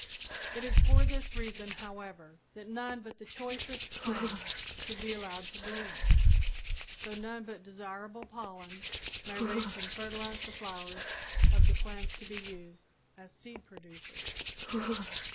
It is for this reason, however, that none but the choicest plants should be allowed to bloom, so none but desirable pollen may reach and fertilize the flowers of the plants to be used as seed producers.